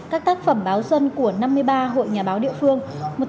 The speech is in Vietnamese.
các tác phẩm báo dân của năm mươi ba hội nhà báo địa phương